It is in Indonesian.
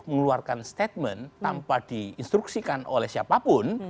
mengeluarkan statement tanpa di instruksikan oleh siapapun